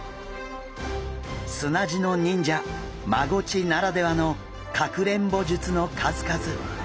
砂地の忍者マゴチならではのかくれんぼ術の数々！